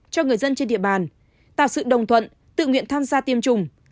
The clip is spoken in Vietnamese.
cho người dân trên địa bàn tạo sự đồng thuận tự nguyện tham gia tiêm chủng